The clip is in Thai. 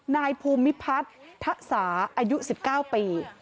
นายภูมิพัฒน์ทะสาอายุ๑๙ปี